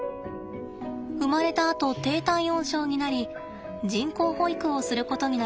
生まれたあと低体温症になり人工哺育をすることになりました。